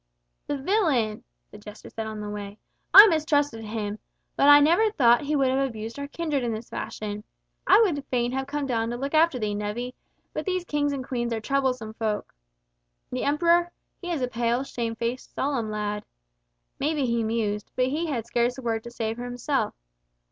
"The villain!" the jester said on the way, "I mistrusted him, but I never thought he would have abused our kindred in this fashion. I would fain have come down to look after thee, nevvy, but these kings and queens are troublesome folk. The Emperor—he is a pale, shame faced, solemn lad. Maybe he museth, but he had scarce a word to say for himself.